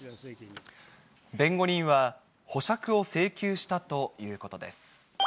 弁護人は、保釈を請求したということです。